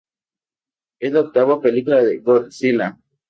Es la octava película de Godzilla.